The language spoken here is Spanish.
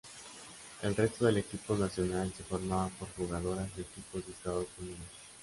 El resto del equipo nacional se formaba por jugadoras de equipos de Estados Unidos.